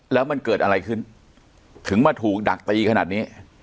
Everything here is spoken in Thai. แล้วมันเกิดอะไรขึ้นถึงมาถูกดักตีขนาดนี้